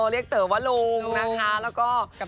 เรียกเต๋อว่าลุงนะคะ